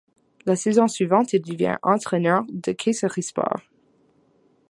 La saison suivante il devient entraineur de Kayserispor.